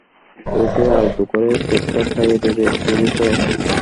ওকে আলতো করে কেকটা খাইয়ে দেবে, বুঝেছ?